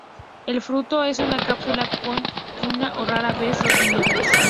El fruto es una cápsula con una o rara vez, dos semillas.